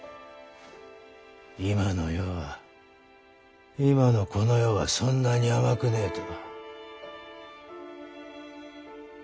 今の世は今のこの世はそんなに甘くねえと。